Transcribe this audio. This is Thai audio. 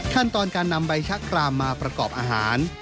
ขั้นตอนการนำใบชะกรามมาประกอบอาหาร